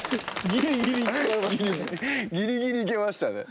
ギリギリいけましたね。